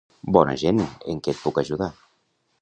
Bona gent. En què et puc ajudar?